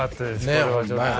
これはちょっと。